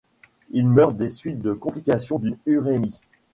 Il meurt des suites de complication d’une urémie.